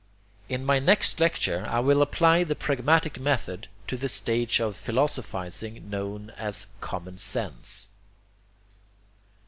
In my next lecture, I will apply the pragmatic method to the stage of philosophizing known as Common Sense.